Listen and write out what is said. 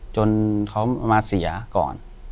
จนเขามาเสียก่อน